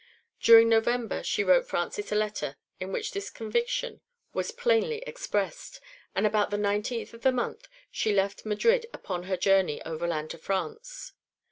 During November she wrote Francis a letter in which this conviction was plainly expressed, and about the 19th of the month she left Madrid upon her journey overland to France.